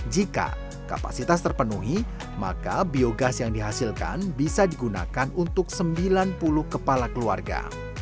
jika kapasitas terpenuhi maka biogas yang dihasilkan bisa digunakan untuk sembilan puluh kepala keluarga